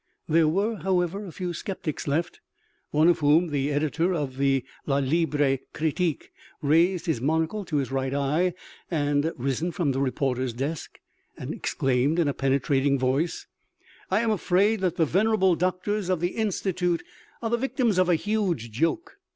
There were, however, a few sceptics left, one of whom, editor of La Libre Critique, raising his monocle to his right eye, had risen from the reporters desk and had exclaimed in a penetrating voice :" I am afraid that the venerable doctors of the Institute ti8 OMEGA. are the victims of a huge joke.